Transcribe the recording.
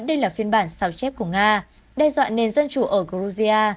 đây là phiên bản sao chép của nga đe dọa nền dân chủ ở georgia